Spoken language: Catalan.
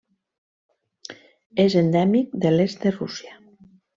És endèmic de l'est de Rússia.